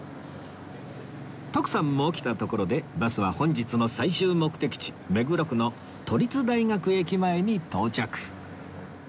徳さんも起きたところでバスは本日の最終目的地目黒区の都立大学駅前に到着